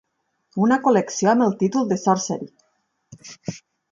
Una col·lecció amb el títol de Sorcery!